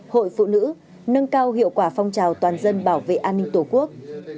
hội phụ nữ nâng cao hiệu quả phong trào toàn dân bảo vệ an ninh tổ quốc